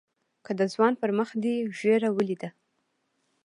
که د ځوان پر مخ دې ږيره وليده.